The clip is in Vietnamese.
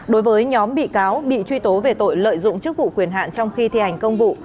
đối với nhóm bị cáo bị truy tố về tội lợi dụng chức vụ quyền hạn trong khi thi hành công vụ